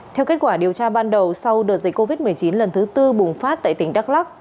theo kết quả điều tra ban đầu sau đợt dịch covid một mươi chín lần thứ tư bùng phát tại tỉnh đắk lắc